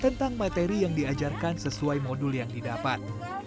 tentang materi yang diajarkan sesuai modul yang didapat